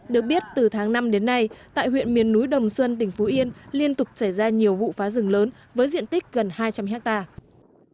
được biết từ tháng năm đến nay tại huyện miền núi đồng xuân tỉnh phú yên liên tục xảy ra nhiều vụ phá rừng lớn với diện tích gần hai trăm linh hectare